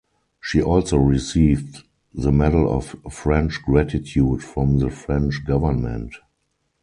She also received the Medal of French Gratitude from the French government.